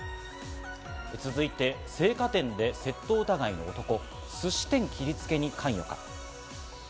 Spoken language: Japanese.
続いて青果店で窃盗互いの男、すし店切りつけに関与か？